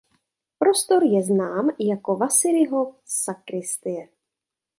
Prostor je znám jako Vasariho sakristie.